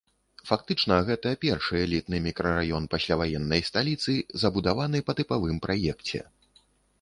Фактычна, гэта першы элітны мікрараён пасляваеннай сталіцы, забудаваны па тыпавым праекце.